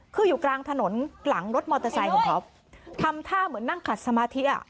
คืออยู่กลางถนนหลังรถมอเตอร์ไซค์ของเขาทำท่าเหมือนนั่งขัดสมาธิอ่ะ